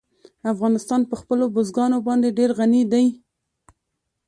افغانستان په خپلو بزګانو باندې ډېر غني دی.